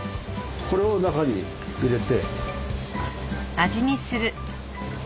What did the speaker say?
これを中に入れて。